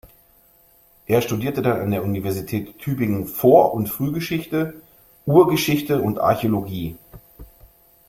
Er studierte dann an der Universität Tübingen "Vor- und Frühgeschichte", "Urgeschichte" und "Archäologie".